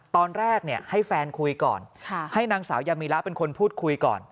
ตอนแรกให้แฟนคุยก่อนให้นางสาวยามิระเป็นคนพูดคุยก่อน